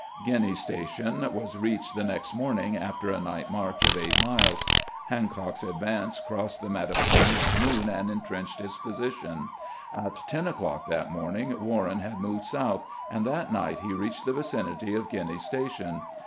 Gruiney's Station was reached the next morning, after a night march of eight mUes. Hancock's advance crossed the Mattapony at noon and intrenched its position. At ten o'clock that morning Warren had moved south, and that night he reached the vicinity of Guiney's Station.